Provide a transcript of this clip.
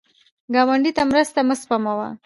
ګاونډي ته مرسته مه سپموه